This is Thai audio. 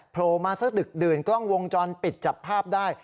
โผล่มาสักดึกดื่นกล้องวงจรปิดจับภาพได้